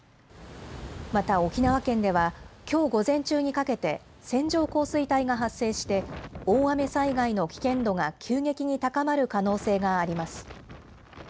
また沖縄県では、きょう午前中にかけて線状降水帯が発生して、大雨災害の危険度が急激に高まる可能性があります。